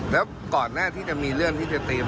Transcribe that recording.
แล้วก่อนหน้าที่จะมีเรื่องที่จะเตรียม